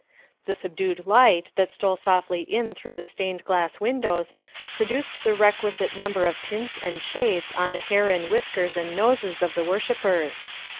The subdued light that stole softly in through the stained glass windows produced the requisite number of tints and shades on the hair and whiskers and noses of the worshippers.